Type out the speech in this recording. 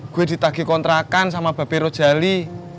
gue ditagi kontrakan sama bapero jali